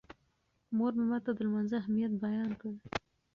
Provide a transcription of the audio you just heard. مور مې ماته د لمانځه اهمیت بیان کړ.